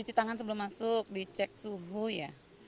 cuci tangan sebelum masuk dicek suhu ya